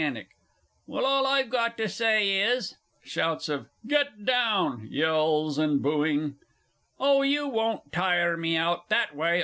Well, all I've got to say is (Shouts of "Get down!" Yells and booing). Oh, you won't tire me out that way.